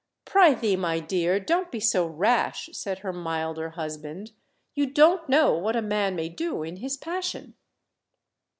"Prythee, my dear, don't be so rash," said her milder husband; "you don't know what a man may do in his passion."